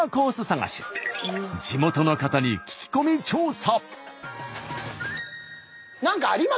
地元の方に聞き込み調査。